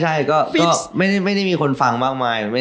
ใช่ก็ไม่ได้มีคนฟังมากมาย